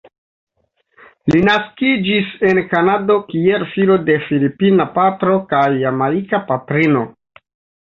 Li naskiĝis en Kanado kiel filo de filipina patro kaj jamajka patrino.